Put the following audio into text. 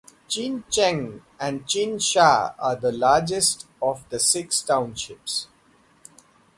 Jincheng and Jinsha are the largest of the six townships.